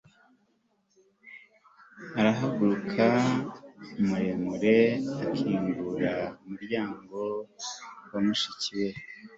arahaguruka muremure akingura umuryango wa mushiki we